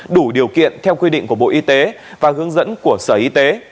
đủ điều kiện theo quy định của bộ y tế và hướng dẫn của sở y tế